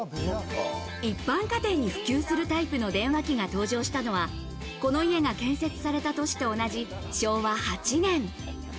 一般家庭に普及するタイプの電話機が登場したのは、この家が建設された年と同じ昭和８年。